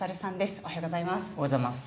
おはようございます。